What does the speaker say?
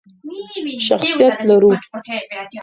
شخصیت لرو.